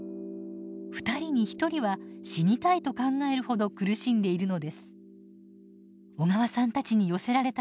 ２人に１人は「死にたい」と考えるほど苦しんでいるのです。